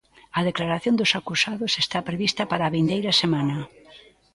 A declaración dos acusados está prevista para a vindeira semana.